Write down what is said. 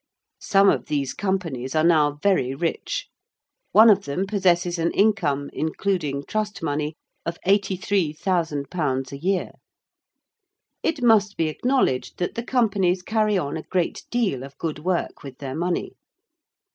Some of these Companies are now very rich. One of them possesses an income, including Trust money, of 83,000_l._ a year. It must be acknowledged that the Companies carry on a great deal of good work with their money.